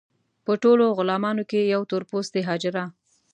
په ټولو غلامانو کې یوه تور پوستې حاجره.